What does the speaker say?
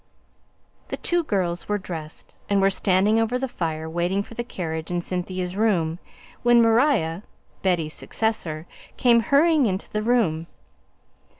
The two girls were dressed, and were standing over the fire waiting for the carriage in Cynthia's room, when Maria (Betty's successor) came hurrying into the room.